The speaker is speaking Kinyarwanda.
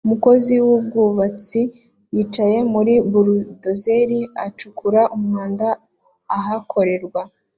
Umukozi wubwubatsi yicaye muri buldozer acukura umwanda ahakorerwa